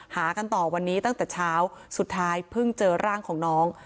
หากันต่อวันนี้ตั้งแต่เช้าสุดท้ายเพิ่งเจอร่างของน้อง